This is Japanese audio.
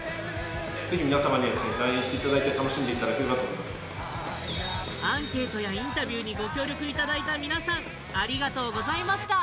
ぜひ皆様にはですねアンケートやインタビューにご協力いただいた皆さんありがとうございました